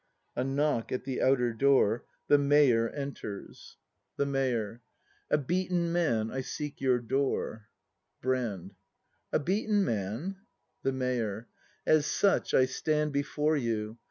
A knock at the outer door. The Mayor enters. 166 BRAND [act iv The Mayor. A beaten man, I seek your door. Brand. A beaten man ? The Mayor. As such I stand Before you.